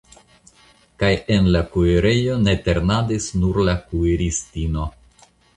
Kaj en la kuirejo ne ternadis nur la kuiristino.